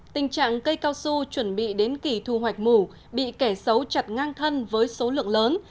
tình trạng cây cao su chuẩn bị đến kỳ thu hoạch mù bị kẻ xấu chặt ngang thân với số lượng lớn